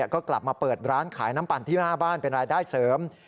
ก็กลับมาเปิดร้านขายน้ำปั่นที่หน้าบ้านเป็นรายได้เสริม